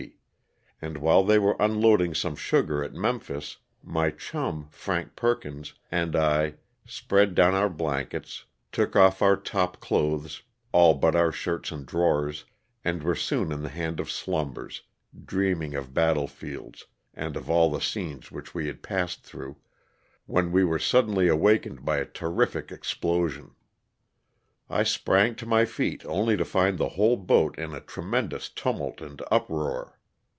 and while they were unloading some sugar at Memphis my chum, Frank Perkins, and I spread down our blankets, took off our top clothes all but our shirts and drawers, and were soon in the hand of slumbers, dreaming of battle fields and of all the scenes which we had passed through, when we were suddenly awakened by a terrific ex plosion. I sprang to my feet only to find the whole boat in a tremendous tumult and uproar.